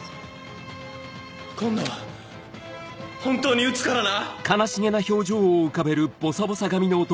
今度は本当に撃つからな。